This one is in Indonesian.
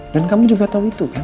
dan kami juga tahu itu kan